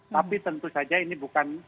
tapi tentu saja ini bukan